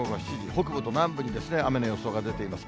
北部と南部にですね、雨の予想が出ています。